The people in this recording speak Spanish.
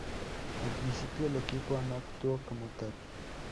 Al principio, el Equipo no actuó como tal.